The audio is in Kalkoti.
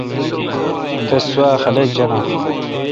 تس سوا خلق جاناں